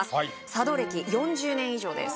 茶道歴４０年以上です